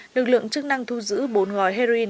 lực lượng chức năng thu giữ bốn ngòi heroin